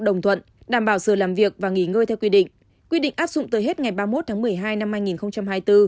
đồng thuận đảm bảo giờ làm việc và nghỉ ngơi theo quy định quy định áp dụng tới hết ngày ba mươi một tháng một mươi hai năm hai nghìn hai mươi bốn